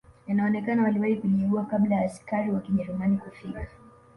Inaonekana waliwahi kujiua kabla ya askari wa kijerumani kufika